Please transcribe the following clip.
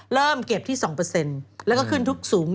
เริ่มเก็บที่๒แล้วก็ขึ้นทุกสูง